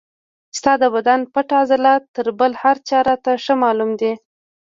ستا د بدن پټ عضلات تر بل هر چا راته ښه معلوم دي.